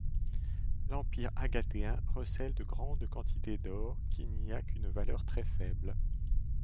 L'empire Agatéen recèle de grandes quantités d'or, qui n'y a qu'une valeur très faible.